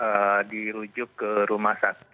seperti jawaban pramilestry